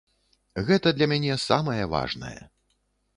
Гэта для мяне самае важнае.